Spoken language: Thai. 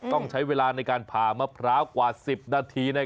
ต้องใช้เวลาในการผ่ามะพร้าวกว่า๑๐นาที